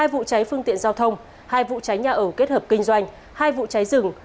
hai vụ cháy phương tiện giao thông hai vụ cháy nhà ở kết hợp kinh doanh hai vụ cháy rừng